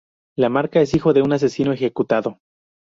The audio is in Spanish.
LaMarca es hijo de un asesino ejecutado.